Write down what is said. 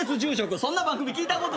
そんな番組聞いたことない。